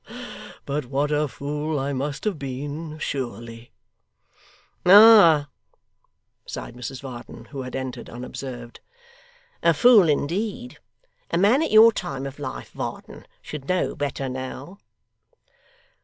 But what a fool I must have been, sure ly!' 'Ah!' sighed Mrs Varden, who had entered unobserved. 'A fool indeed. A man at your time of life, Varden, should know better now.